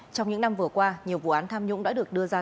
trong những năm vừa qua nhiều vụ án tham nhũng đã được đưa ra